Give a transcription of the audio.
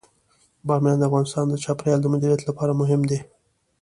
بامیان د افغانستان د چاپیریال د مدیریت لپاره مهم دي.